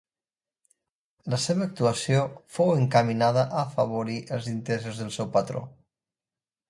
La seva actuació fou encaminada a afavorir els interessos del seu patró.